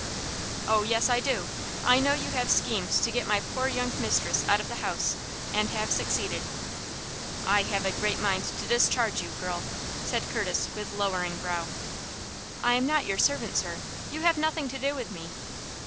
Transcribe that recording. "Oh, yes, I do. I know you have schemed to get my poor young mistress out of the house, and have succeeded." "I have a great mind to discharge you, girl," said Curtis, with lowering brow. "I am not your servant, sir. You have nothing to do with me."